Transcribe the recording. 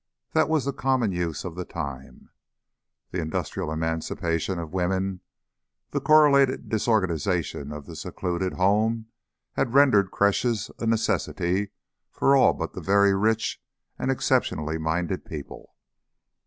That was the common use of the time. The industrial emancipation of women, the correlated disorganisation of the secluded "home," had rendered creches a necessity for all but very rich and exceptionally minded people.